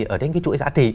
ở trên cái chuỗi giá trị